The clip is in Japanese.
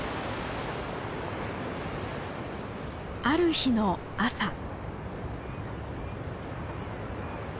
ある日の朝。